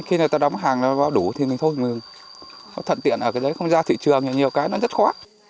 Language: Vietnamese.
khi nào ta đóng hàng nó báo đủ thì mình thôi thận tiện ở cái đấy không ra thị trường nhiều cái nó rất khó